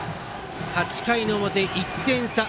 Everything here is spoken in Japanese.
８回の表、１点差